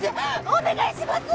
お願いします！